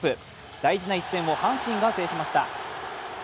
大事な一戦を阪神が制しました。